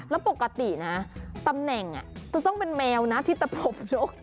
แล่วปกติตำแหน่งจะต้องเป็นแมวที่ตัดผ่มนก